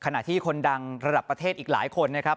ขณะที่คนดังระดับประเทศอีกหลายคนนะครับ